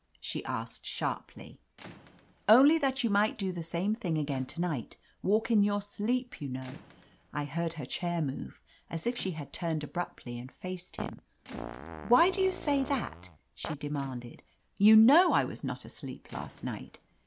she asked sharply. 121 tt^ L*l THE AMAZING ADVENTURES "Only that you might do the same thing again to night — ^walk in your sleep, you know." I heard her chair move, as if she had turned abruptly and faced him. "Why do you say that?" she demanded. "You know I was not asleep last night."